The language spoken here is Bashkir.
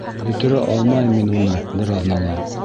Бөтөрә алмайым мин уны бер аҙнала.